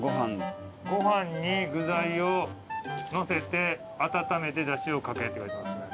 ご飯に具材をのせて温めてだしを掛けって。